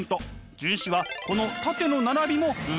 荀子はこの縦の並びも「分業」。